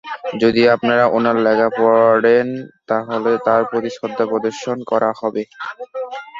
যদি আপনারা ওনার লেখা পড়েন তাহলেই তাঁর প্রতি শ্রদ্ধা প্রদর্শন করা হবে।